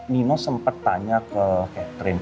nino sempat tanya ke catherine